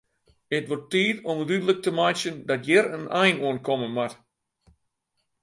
It wurdt tiid om dúdlik te meitsjen dat hjir in ein oan komme moat.